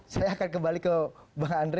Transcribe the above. saya akan kembali ke bang andre